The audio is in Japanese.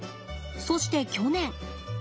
そして去年。